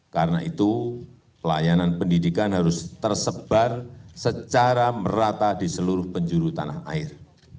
karena itu layanan pendidikan harus tersebar secara merata di seluruh penjuru tanah air